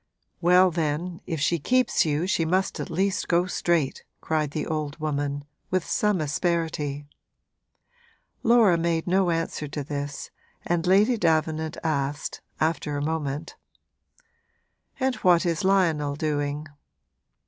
'Well, then, if she keeps you she must at least go straight!' cried the old woman, with some asperity. Laura made no answer to this and Lady Davenant asked, after a moment: 'And what is Lionel doing?'